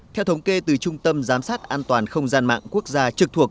theo thống kê từ trung tâm giám sát an toàn không gian mạng quốc gia trực thuộc